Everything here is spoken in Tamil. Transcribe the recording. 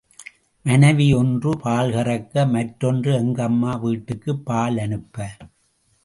மனைவி ஒன்று பால் கறக்க மற்றொன்று எங்கம்மா வீட்டுக்குப் பால் அனுப்ப.